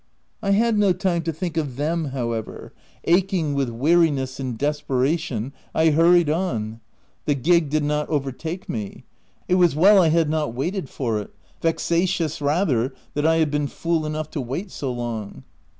I had no time to think of them, however : aching with weari ness and desperation, I hurried on. The gig did not overtake me : it was well I had not 286 THE TENANT waited for it — vexations, rather, that I had been fool enough to wait so long.